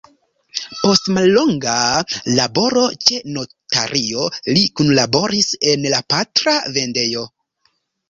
Post mallonga laboro ĉe notario li kunlaboris en la patra vendejo.